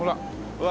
うわ！